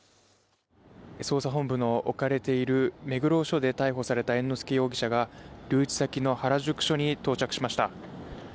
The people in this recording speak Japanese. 捜査本部の置かれている目黒署で逮捕された猿之助容疑者が留置先の原宿署に到着しました。